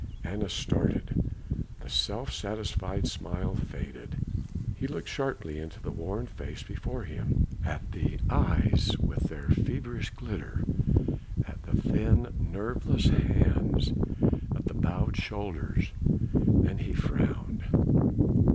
Annas started, the self satisfied smile faded; he looked sharply into the worn face before him, at the eyes with their feverish glitter, at the thin, nerveless hands, at the bowed shoulders; then he frowned.